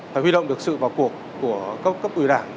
phải huy động được sự vào cuộc của các cấp ủy đảng